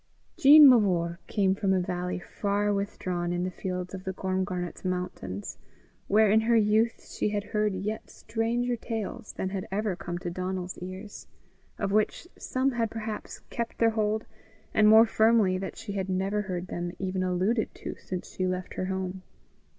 Jean Mavor came from a valley far withdrawn in the folds of the Gormgarnet mountains, where in her youth she had heard yet stranger tales than had ever come to Donal's ears, of which some had perhaps kept their hold the more firmly that she had never heard them even alluded to since she left her home.